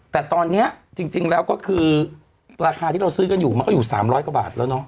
แต่ตอนนี้จริงแล้วก็คือราคาที่เราซื้อกันอยู่มันก็อยู่๓๐๐กว่าบาทแล้วเนาะ